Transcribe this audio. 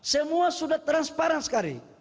semua sudah transparan sekali